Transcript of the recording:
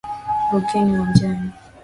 Rukeni uwanjani.